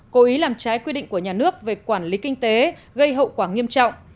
cố ý làm trái quy định của nhà nước về quản lý kinh tế gây hậu quả nghiêm trọng